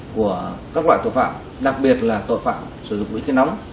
của các loại tội phạm đặc biệt là tội phạm sử dụng vũ khí nóng